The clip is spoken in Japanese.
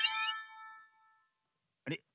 あれ？